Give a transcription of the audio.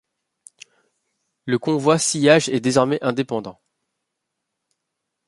Le convoi Sillage est désormais indépendant.